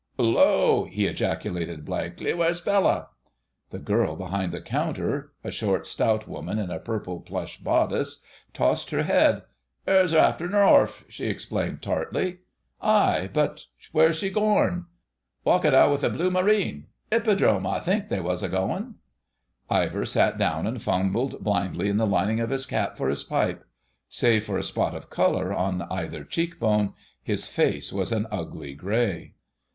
"'Ullo!...." he ejaculated blankly. "W'ere's Bella?" The girl behind the counter, a short, stout woman in a purple plush bodice, tossed her head. "'Er a'ternoon orf," she explained tartly. "Aye, but—w'ere's she gorn?" "Walkin' out with a Blue Marine. 'Ippodrome, I think, they was goin'." Ivor sat down and fumbled blindly in the lining of his cap for his pipe. Save for a spot of colour on either cheek bone, his face was an ugly grey.